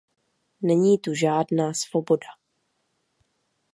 Není tu žádná svoboda.